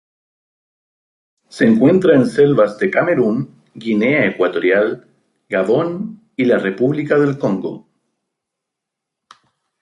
Se encuentra en selvas de Camerún, Guinea Ecuatorial, Gabón y la República del Congo.